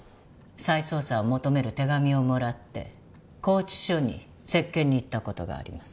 再捜査を求める手紙をもらって拘置所に接見に行った事があります。